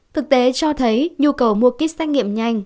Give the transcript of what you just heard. thực tế cho thấy nhu cầu mua kích xét nghiệm nhanh